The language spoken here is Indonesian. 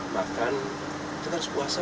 makan terus puasa